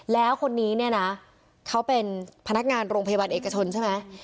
แล้วคนนี้เนี่ยนะเขาเป็นพนักงานโรงพยาบาลเอกชนใช่ไหม